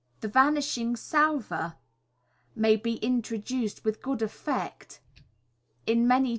The vanishing salver may be introduced with good effect in many Fig.